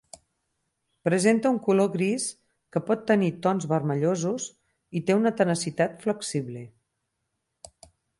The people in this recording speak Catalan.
Presenta un color gris, que pot tenir tons vermellosos i té una tenacitat flexible.